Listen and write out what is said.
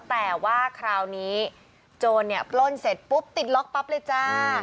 แต่ว่าคราวนี้โจรเนี่ยปล้นเสร็จปุ๊บติดล็อกปั๊บเลยจ้า